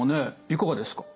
いかがですか？